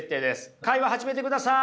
会話始めてください。